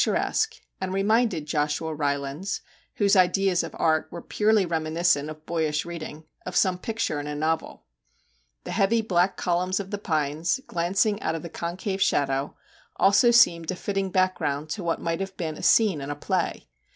JACK HAMLIN'S MEDIATION resque, and reminded Joshua Rylands whose ideas of art were purely reminiscent of boyish reading of some picture in a novel. The heavy black columns of the pines, glancing out of the concave shadow, also seemed a fitting background to what might have been a scene in a play.